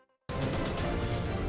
kami akan mulai dari pemerintah